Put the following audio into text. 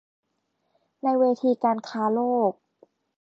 ในเวทีการค้าโลก